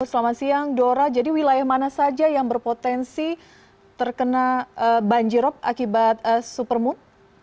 selamat siang dora jadi wilayah mana saja yang berpotensi terkena banjirop akibat supermoon